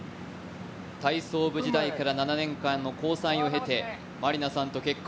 体操部時代から７年間の交際を経て真里奈さんと結婚。